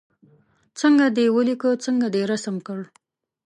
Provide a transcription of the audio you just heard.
څنګه دې ولیکه څنګه دې رسم کړ.